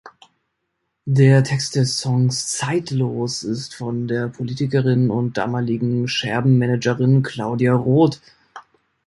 Der Text des Songs "Zeitlos" ist von der Politikerin und damaligen Scherben-Managerin Claudia Roth.